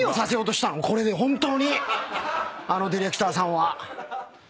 あのディレクターさんは。